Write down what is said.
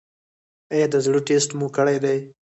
ایا د زړه ټسټ مو کړی دی؟